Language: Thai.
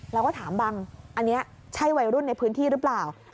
เราก็ถามบังอันนี้ใช่วัยรุ่นในพื้นที่หรือเปล่า